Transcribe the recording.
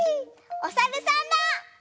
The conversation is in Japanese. おさるさんだ！